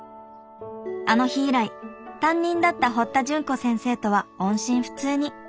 あの日以来担任だった堀田潤子先生とは音信不通に。